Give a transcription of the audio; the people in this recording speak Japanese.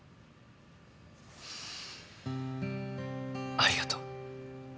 ありがとう。